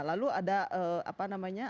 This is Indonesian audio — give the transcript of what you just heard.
lalu ada apa namanya